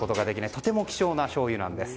とても貴重なしょうゆなんです。